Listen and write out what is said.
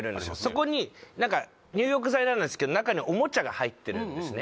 そこに何か入浴剤なんですけど中におもちゃが入ってるんですね